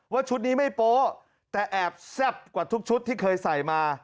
ชุดนี้ไม่โป๊ะแต่แอบแซ่บกว่าทุกชุดที่เคยใส่มา